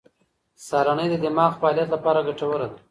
سهارنۍ د دماغ د فعالیت لپاره ګټوره ده.